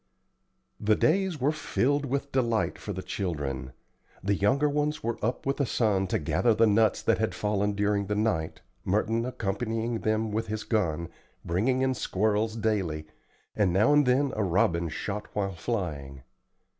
The days were filled with delight for the children. The younger ones were up with the sun to gather the nuts that had fallen during the night, Merton accompanying them with his gun, bringing in squirrels daily, and now and then a robin shot while flying.